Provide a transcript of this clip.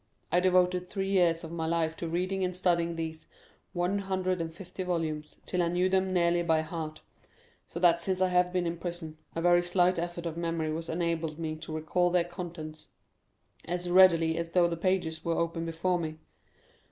I devoted three years of my life to reading and studying these one hundred and fifty volumes, till I knew them nearly by heart; so that since I have been in prison, a very slight effort of memory has enabled me to recall their contents as readily as though the pages were open before me.